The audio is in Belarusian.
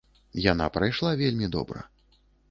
Яна прайшла вельмі добра.